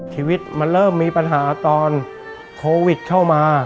ชีวิตมันเริ่มมีปัญหาตอนโควิดเข้ามา